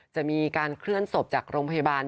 จะมีการเคลื่อนศพจากโรงพยาบาล